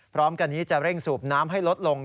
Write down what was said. พร้อมกันนี้จะเร่งสูบน้ำให้ลดลง